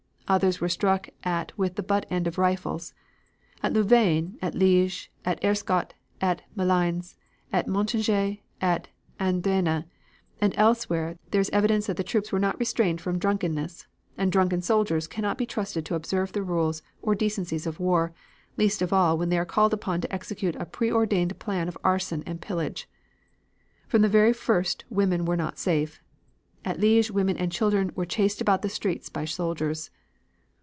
Others were struck at with the butt end of rifles. At Louvain, at Liege, at Aerschot, at Malines, at Montigny, at Andenne, and elsewhere, there is evidence that the troops were not restrained from drunkenness, and drunken soldiers cannot be trusted to observe the rules or decencies of war, least of all when they are called upon to execute a preordained plan of arson and pillage. From the very first women were not safe. At Liege women and children were chased about the streets by soldiers.